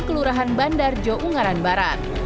kelurahan bandar joungaran barat